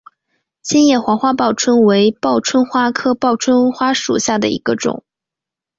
心叶黄花报春为报春花科报春花属下的一个种。